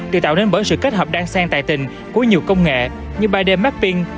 được tạo nên bởi sự kết hợp đăng sen tài tình của nhiều công nghệ như ba d mapping